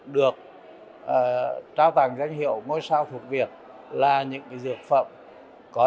để trao danh hiệu ngôi sao thuốc việt lần thứ hai